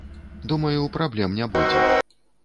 Думаю, праблем не будзе.